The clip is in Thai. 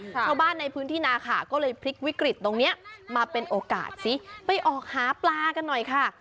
ชาวบ้านในพื้นที่นาขาก็เลยพลิกวิกฤตตรงนี้มาเป็นโอกาสสิไปออกหาปลากันหน่อยค่ะ